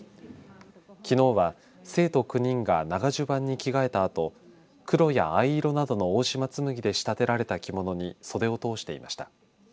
きのうは生徒９人が長じゅばんに着替えたあと黒や藍色などの大島紬で仕立てられた着物に袖を通していました。